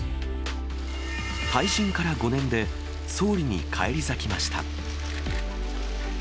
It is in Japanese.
退陣から５年で、総理に返り咲きました。